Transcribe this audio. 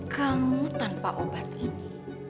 kamu tanpa obat ini